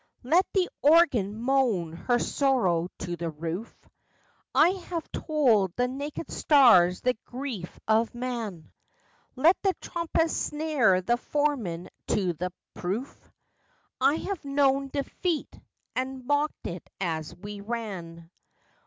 Let the organ moan her sorrow to the roof I have told the naked stars the grief of man. Let the trumpets snare the foeman to the proof I have known Defeat, and mocked it as we ran.